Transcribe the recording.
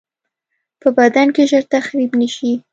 په بدن کې ژر تخریب نشي.